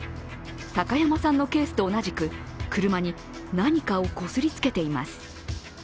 高山さんのケースと同じく車に何かをこすりつけています。